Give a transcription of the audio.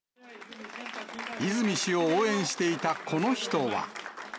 泉氏を応援していたこの人は。